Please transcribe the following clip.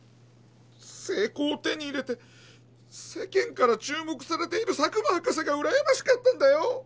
成功を手に入れて世間から注目されている佐久間博士がうらやましかったんだよ。